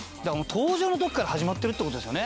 登場のときから始まってるってことですよね。